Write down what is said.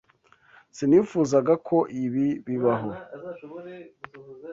Sinifuzaga ko ibi bibaho.